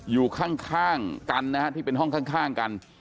อยู่ข้างกันนะฮะที่เป็นห้องข้างกัน